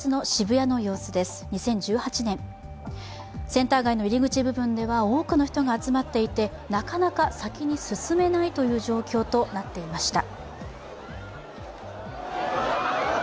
センター街の入り口部分では多くの人が集まっていて、なかなか先に進めないという状況となっていました。